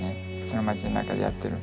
その町の中でやってる。